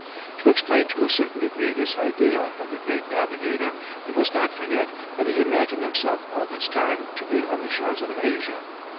To explain to a certain degree this idea of the great navigator, we must not forget that he imagined himself all this time to be on the shores of Asia.